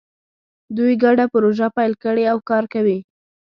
دوی ګډه پروژه پیل کړې او کار کوي